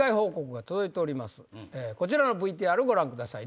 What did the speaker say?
こちらのＶＴＲご覧ください